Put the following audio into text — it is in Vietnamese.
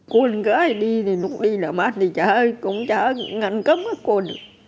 con gái đi lúc đi là mát thì chả ngăn cấm cô được